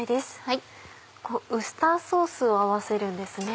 ウスターソースを合わせるんですね。